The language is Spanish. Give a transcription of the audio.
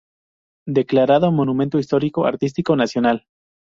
Declarado Monumento Histórico Artístico Nacional.